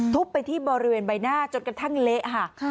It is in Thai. ไปที่บริเวณใบหน้าจนกระทั่งเละค่ะ